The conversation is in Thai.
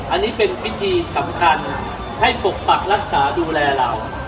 อันนี้เป็นพิธีสำคัญให้ปกปักรักษาดูแลเรา